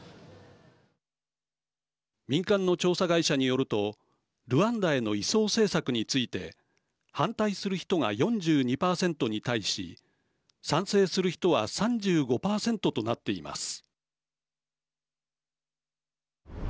民間の調査会社によるとルワンダへの移送政策について反対する人が４２％に対し賛成する人は３５％となっています。